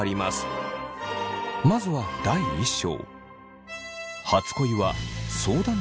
まずは第１章。